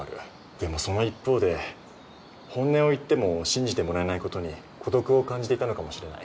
でもその一方で本音を言っても信じてもらえないことに孤独を感じていたのかもしれない。